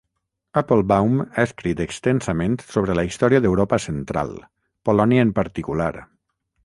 Applebaum ha escrit extensament sobre la història d'Europa Central, Polònia en particular.